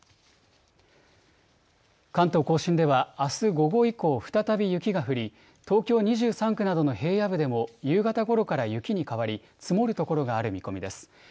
関東甲信ではあす午後以降、再び雪が降り東京２３区などの平野部でも夕方ごろから雪に変わり積もるところがある見込みです。